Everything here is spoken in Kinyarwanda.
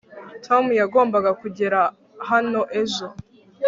tom yagombaga kugera hano ejo